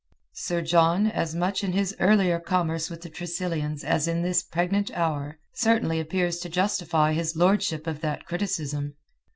Sir John, as much in his earlier commerce with the Tressilians as in this pregnant hour, certainly appears to justify his lordship of that criticism.